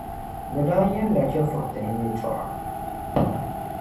Bɛ daa yεlila chεfuritali yεltɔɣa